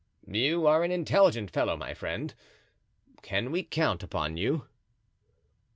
"You are an intelligent fellow, my friend; can we count upon you?"